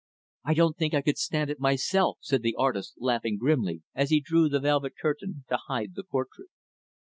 "I don't think I could stand it, myself," said the artist, laughing grimly, as he drew the velvet curtain to hide the portrait.